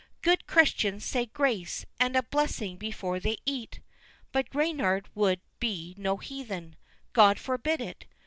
"Good Christians say grace, and ask a blessing before they eat." But Reynard would be no heathen. God forbid it!